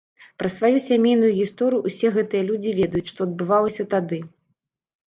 Праз сваю сямейную гісторыю ўсе гэтыя людзі ведаюць, што адбывалася тады.